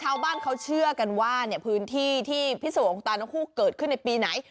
ชาวบ้านเขาเชื่อกันว่าพื้นที่ที่พิสวงตานกฮูกเกิดขึ้นในปีไหน